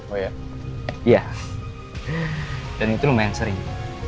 oh iya dan itu lumayan sering